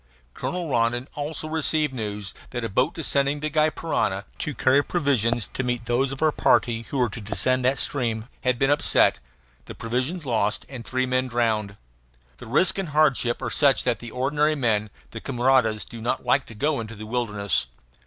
Colonel Rondon also received news that a boat ascending the Gy Parana, to carry provisions to meet those of our party who were to descend that stream, had been upset, the provisions lost, and three men drowned. The risk and hardship are such that the ordinary men, the camaradas, do not like to go into the wilderness.